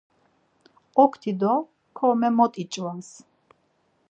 Okti do korme mot iç̌vas.